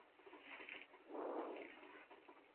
Prue muere dando a luz a Adam.